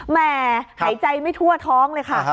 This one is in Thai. แม่หายใจไม่ทั่วท้องเลยค่ะ